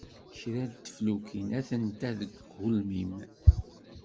Kra n teflukin atent-a deg ugelmim.